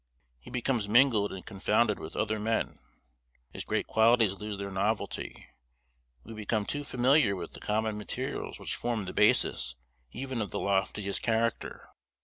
He becomes mingled and confounded with other men. His great qualities lose their novelty; we become too familiar with the common materials which form the basis even of the loftiest character.